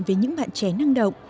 với những bạn trẻ năng động